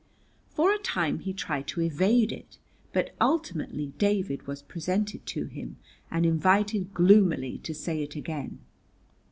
For a time he tried to evade it, but ultimately David was presented to him and invited gloomily to say it again.